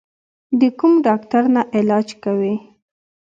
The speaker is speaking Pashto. د کوم ډاکټر نه علاج کوې؟